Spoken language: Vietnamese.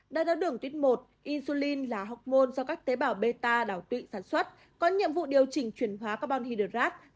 đai thác đường tuyết một là học môn do các tế bào bêta đảo tụy sản xuất có nhiệm vụ điều chỉnh chuyển hóa carbon hydrate